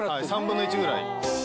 ３分の１ぐらい。